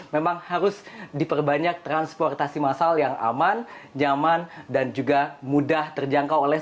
memang harus diperbanyak transportasi massal yang aman nyaman dan juga mudah terjangkau oleh